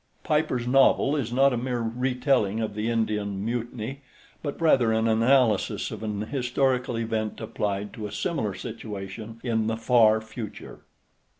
Piper's novel is not a mere retelling of the Indian Mutiny, but rather an analysis of an historical event applied to a similar situation in the far future.